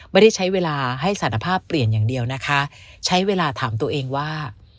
ไม่ได้ใช้เวลาให้สารภาพเปลี่ยนอย่างเดียวนะคะใช้เวลาถามตัวเองว่า